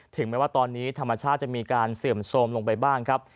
แม้ว่าตอนนี้ธรรมชาติจะมีการเสื่อมโทรมลงไปบ้างครับ